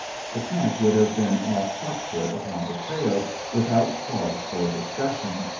The pack would have been off hot foot upon the trail, without pause for discussion.